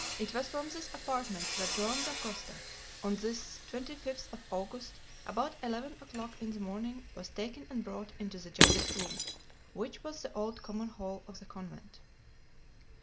It was from this apartment that Joam Dacosta, on this 25th of August, about eleven o'clock in the morning, was taken and brought into the judge's room, which was the old common hall of the convent.